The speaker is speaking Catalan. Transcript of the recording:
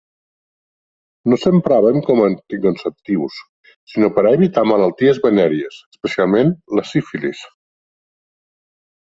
No s'empraven com a anticonceptius sinó per a evitar malalties venèries, especialment la sífilis.